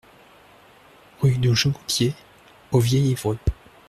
Rue du Jonctier au Vieil-Évreux